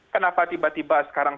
kenapa tiba tiba sekarang